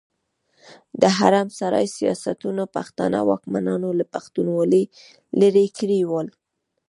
د حرم سرای سياستونو پښتانه واکمنان له پښتونولي ليرې کړي ول.